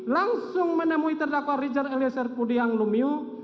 langsung menemui terdakwa rijal elisir pudihang lumio